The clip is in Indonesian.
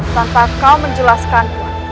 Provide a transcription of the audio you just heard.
tanpa kau menjelaskanku